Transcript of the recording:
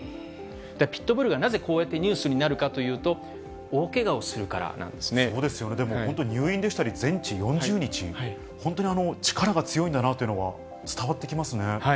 ピットブルがなぜこうやってニュースになるかというと、大けがを入院でしたり、全治４０日、本当に力が強いんだなというのは伝わってきますね。